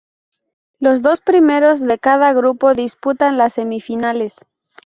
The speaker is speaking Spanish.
Los dos primeros de cada grupo disputan las semifinales.